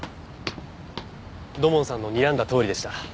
土門さんのにらんだとおりでした。